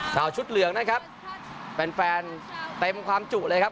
สาวชุดเหลืองนะครับแฟนแฟนเต็มความจุเลยครับ